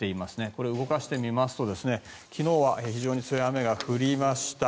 これを動かしてみますと昨日は非常に強い雨が降りました。